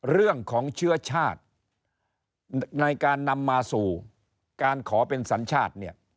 เรื่องของเชื้อชาติในการนำมาสู่การขอเป็นสัญชาติเนี่ย